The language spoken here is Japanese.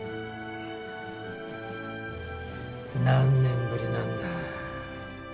何年ぶりなんだ？